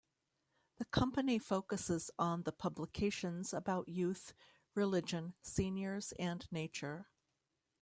The company focuses on the publications about youth, religion, seniors and nature.